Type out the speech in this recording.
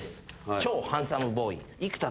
「超ハンサムボーイ生田斗真」